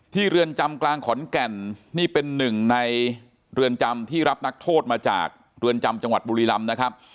เรือนจำกลางขอนแก่นนี่เป็นหนึ่งในเรือนจำที่รับนักโทษมาจากเรือนจำจังหวัดบุรีรำนะครับ